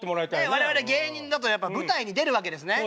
我々芸人だとやっぱ舞台に出るわけですね。